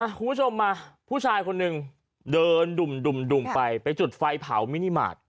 คุณผู้ชมมาผู้ชายคนหนึ่งเดินดุ่มไปไปจุดไฟเผามินิมาตร